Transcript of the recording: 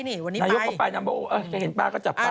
นายกก็ไปน้ำบอกเออถ้าเห็นปลาก็จับปลากัน